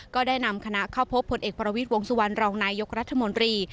ก็ได้นำคณะเข้าพบผลเอกประวิทย์วงสุวรรณรองนายยกรัฐมนตรี